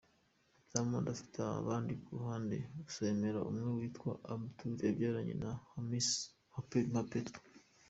Diamond afite abandi ku ruhande gusa yemera umwe witwa Abdoul yabyaranye na Hamisa Mobeto.